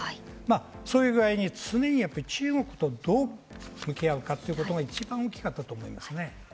そういう具合に中国と、どう向き合うかが大きかったと思います。